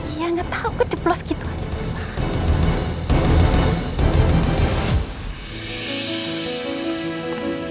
iya gak tau keceplos gitu aja